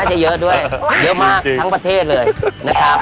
จะเยอะด้วยเยอะมากทั้งประเทศเลยนะครับ